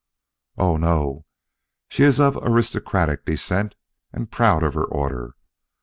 "Oh, no; she is of aristocratic descent and proud of her order.